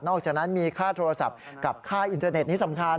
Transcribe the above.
อกจากนั้นมีค่าโทรศัพท์กับค่าอินเทอร์เน็ตนี้สำคัญ